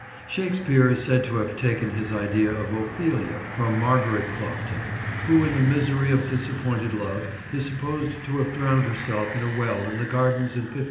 Shakespeare is said to have taken his idea of Ophelia from Margaret Clopton, who in the misery of disappointed love is supposed to have drowned herself in a well in the gardens in 1592.